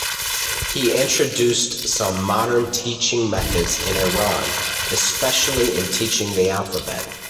He introduced some modern teaching methods in Iran, especially in teaching the alphabet.